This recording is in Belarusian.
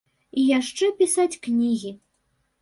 І яшчэ пісаць кнігі.